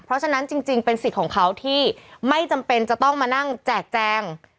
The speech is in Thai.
เพราะฉะนั้นจริงเป็นสิทธิ์ของเขาที่ไม่จำเป็นจะต้องมานั่งแจกแจง